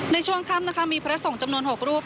ในช่วงค่ำนะคะมีพระสงฆ์จำนวน๖รูป